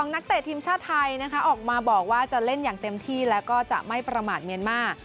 นักเตะทีมชาติไทยนะคะออกมาบอกว่าจะเล่นอย่างเต็มที่แล้วก็จะไม่ประมาทเมียนมาร์